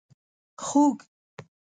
🐖 خوګ